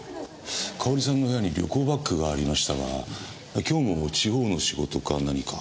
かおりさんの部屋に旅行バッグがありましたが今日も地方の仕事か何か？